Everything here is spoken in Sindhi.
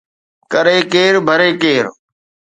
ڪري ڪير ڀري ڪير